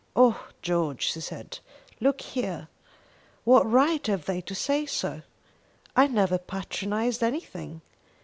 "Oh George," she said, "look here. What right have they to say so? I never patronised anything.